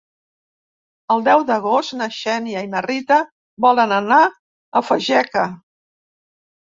El deu d'agost na Xènia i na Rita volen anar a Fageca.